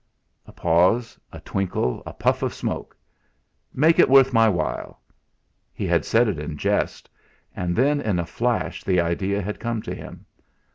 A pause, a twinkle, a puff of smoke. "Make it worth my while!" He had said it in jest; and then, in a flash, the idea had come to him.